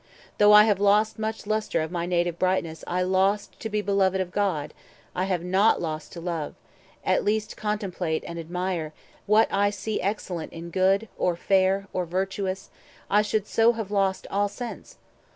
Though I have lost Much lustre of my native brightness, lost To be beloved of God, I have not lost To love, at least contemplate and admire, 380 What I see excellent in good, or fair, Or virtuous; I should so have lost all sense.